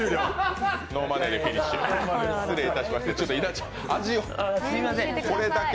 ノーマネーでフィニッシュ、失礼いたしました。